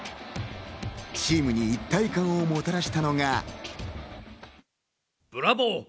チームに一体感をもたらしたのが。